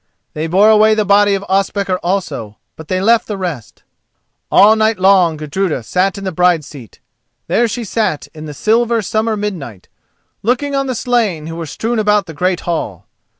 They bore away the body of Ospakar also, but they left the rest. All night long Gudruda sat in the bride's seat. There she sat in the silver summer midnight, looking on the slain who were strewn about the great hall.